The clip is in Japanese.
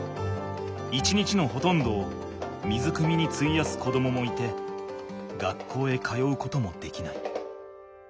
一日のほとんどを水くみについやす子どももいて学校へ通うこともできない。